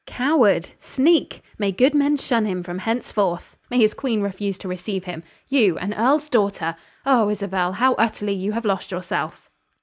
"Coward! Sneak! May good men shun him from henceforth! May his queen refuse to receive him! You, an earl's daughter! Oh, Isabel, how utterly you have lost yourself!"